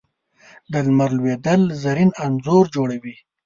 د لمر لوېدل زرین انځور جوړوي